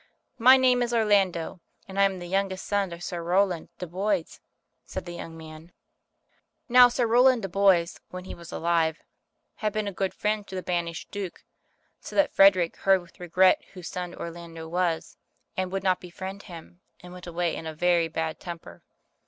"My name is Orlando, and I am the youngest son of Sir Rowland de Boys," said the young man. Now Sir Rowland de Boys, when he was alive, had been a good friend to the banished Duke, so that Frederick heard with regret whose son, Orlando was, and would not befriend him, and went away in a very bad temper.